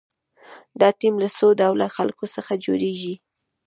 دا ټیم له څو ډوله خلکو څخه جوړیږي.